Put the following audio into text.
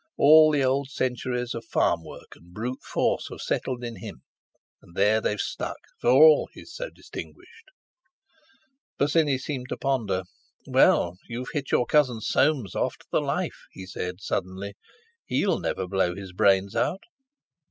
All the old centuries of farm work and brute force have settled in him, and there they've stuck, for all he's so distinguished." Bosinney seemed to ponder. "Well, you've hit your cousin Soames off to the life," he said suddenly. "He'll never blow his brains out."